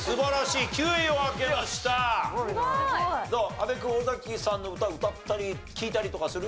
阿部君尾崎さんの歌歌ったり聴いたりとかする？